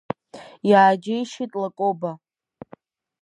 Иааџьеишьеит Лакоба.